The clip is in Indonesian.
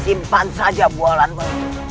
simpan saja bualanmu